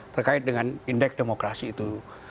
terkait dengan indeks demokrasi itu